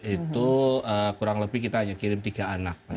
itu kurang lebih kita hanya kirim tiga anak